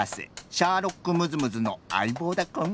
シャーロックムズムズのあいぼうだクン。